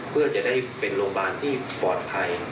เพื่อจะได้เป็นโรงพยาบาลที่ปลอดภัย